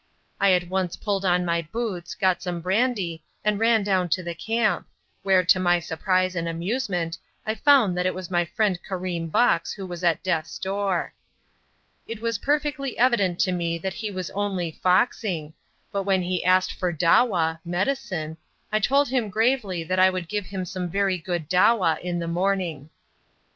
I at once pulled on my boots, got some brandy and ran down to the camp, where to my surprise and amusement I found that it was my friend Karim Bux who was at death's door. It was perfectly evident to me that he was only "foxing," but when he asked for dawa (medicine), I told him gravely that I would give him some very good dawa in the morning.